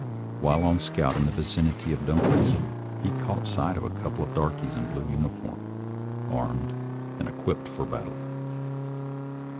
While on a scout in the vicinity of Dumfries he caught sight of a couple of darkies in blue uniform, armed and equipped for battle.